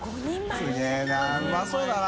すげぇなうまそうだな。